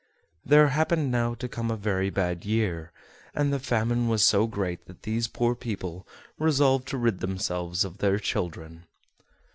There happened now to come a very bad year, and the famine was so great that these poor people resolved to rid themselves of their children.